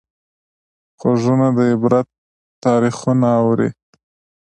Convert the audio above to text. غوږونه د عبرت تاریخونه اوري